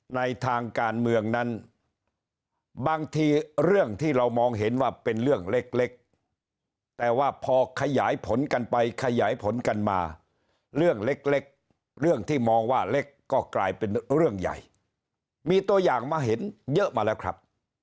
ในทางการเมืองนั้นบางทีเรื่องที่เรามองเห็นว่าเป็นเรื่องเล็กแต่ว่าพอขยายผลกันไปขยายผลกันมาเรื่องเล็กเรื่องที่มองว่าเล็กก็กลายเป็นเรื่องใหญ่มีตัวอย่างมาเห็นเยอะมาแล้วครับ